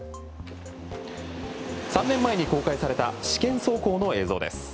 ３年前に公開された試験走行の映像です。